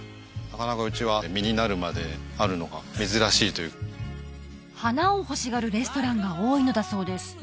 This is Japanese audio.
なかなかうちは実になるまであるのが珍しい花を欲しがるレストランが多いのだそうです